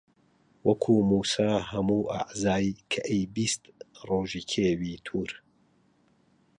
وەکوو مووسا هەموو ئەعزای کە ئەیبیست ڕۆژی کێوی توور